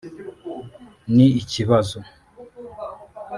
ni ikibazo